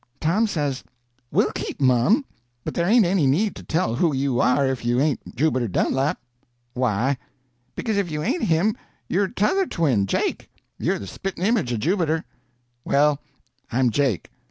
Tom says: "We'll keep mum, but there ain't any need to tell who you are if you ain't Jubiter Dunlap." "Why?" "Because if you ain't him you're t'other twin, Jake. You're the spit'n image of Jubiter." "Well, I'm Jake.